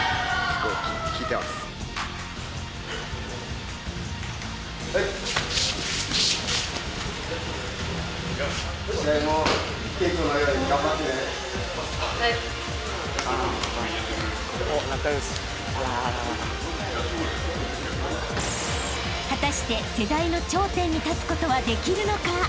［果たして世代の頂点に立つことはできるのか！？］